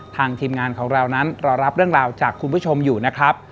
ทีมงานของเรานั้นเรารับเรื่องราวจากคุณผู้ชมอยู่นะครับ